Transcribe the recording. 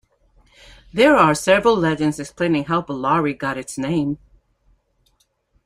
There are several legends explaining how Ballari got its name.